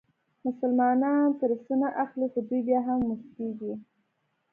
مسلمانان ترې څه نه اخلي خو دوی بیا هم موسکېږي.